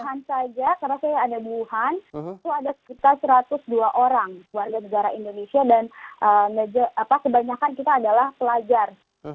di wuhan saja karena saya ada di wuhan itu ada sekitar satu ratus dua orang warga negara indonesia dan kebanyakan kita adalah pelajar